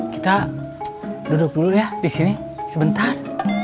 kita duduk dulu ya disini sebentar